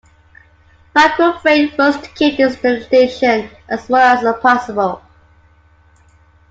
Michael Frayn works to keep this distinction as small as possible.